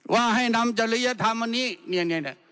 ว่าให้นำจริยธรรมอันนี้เนี่ย